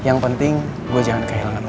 yang penting gue jangan kehilangan